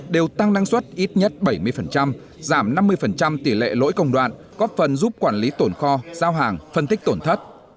đều tăng năng suất ít nhất bảy mươi giảm năm mươi tỷ lệ lỗi công đoạn góp phần giúp quản lý tổn kho giao hàng phân tích tổn thất